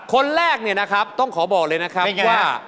คนแรกเนี่ยนะครับต้องขอบอกเลยนะครับว่า